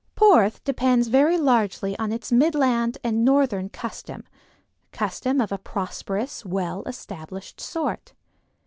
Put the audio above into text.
Porth depends very largely on its midland and northern custom, custom of a prosperous, well established sort.